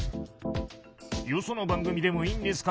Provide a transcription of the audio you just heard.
よその番組でもいいんですか？